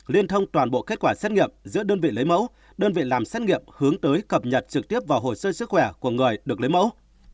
liên thông toàn bộ kết quả xét nghiệm giữa đơn vị lấy mẫu đơn vị làm xét nghiệm hướng tới cập nhật trực tiếp vào hồ sơ sức khỏe của người được lấy mẫu